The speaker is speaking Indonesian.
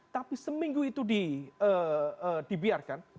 tapi seminggu itu dibiarkan